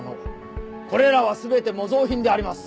これらは全て模造品であります。